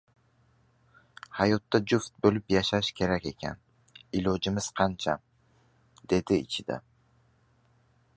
«Hayotda juft bo‘lib yashash kerak ekan, ilojimiz qancha», dedi ichida.